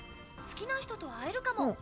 好きな人と会えるかも？！